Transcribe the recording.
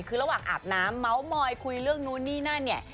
คือระหว่างอาบน้ำเมาส์มอยคุยเรื่องนู้นนี่นั่นเนี่ย